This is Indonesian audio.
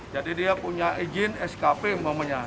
jadi dia punya izin skp maksudnya